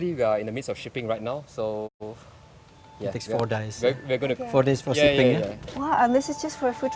jadi kamu akan menjual makanan sendiri